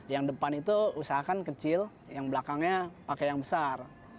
yang depan itu usahakan kecil yang belakangnya pakai yang besar